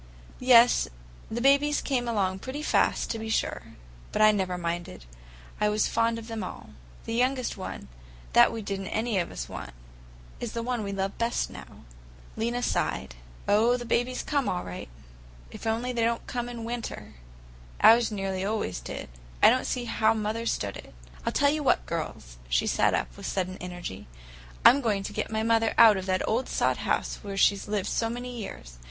"Yes, the babies came along pretty fast, to be sure. But I never minded. I was fond of them all. The youngest one, that we did n't any of us want, is the one we love best now." Lena sighed. "Oh, the babies are all right; if only they don't come in winter. Ours nearly always did. I don't see how mother stood it. I tell you what girls," she sat up with sudden energy; "I'm going to get my mother out of that old sod house where she's lived so many years.